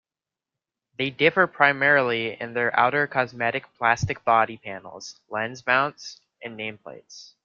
They differ primarily in their outer cosmetic plastic body panels, lens mounts and nameplates.